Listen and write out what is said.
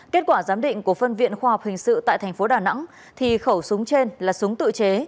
kết quả giám định của phân viện khoa học hình sự tại tp đà nẵng thì khẩu súng trên là súng tự chế